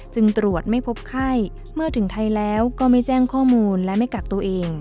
จึงตรวจไม่พบไข้เมื่อถึงไทยแล้วก็ไม่แจ้งข้อมูลและไม่กักตัวเอง